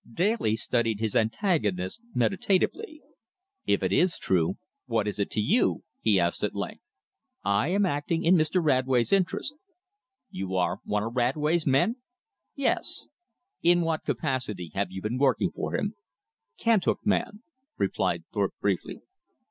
Daly studied his antagonist meditatively. "If it is true, what is it to you?" he asked at length. "I am acting in Mr. Radway's interest." "You are one of Radway's men?" "Yes." "In what capacity have you been working for him?" "Cant hook man," replied Thorpe briefly.